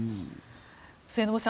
末延さん